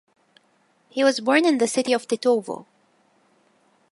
He was born in the city of Tetovo.